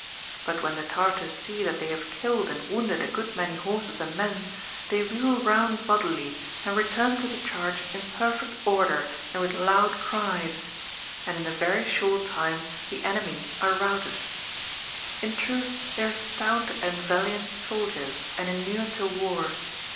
But when the Tartars see that they have killed and wounded a good many horses and men, they wheel round bodily, and return to the charge in perfect order and with loud cries ; Chap. TJV. THE TARTAR CUSTOMS OF WAR 26 v) and in a very short time the enemy are routed. In truth they are stout and vaHant soldiers, and inured to war.